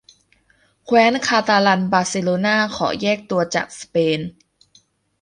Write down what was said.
แคว้นคาตาลันบาร์เซโลน่าขอแยกตัวจากสเปน